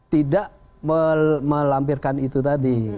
tidak melampirkan itu tadi